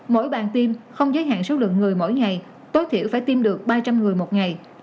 mỗi bàn tim không giới hạn số lượng người mỗi ngày tối thiểu phải tiêm được ba trăm linh người một ngày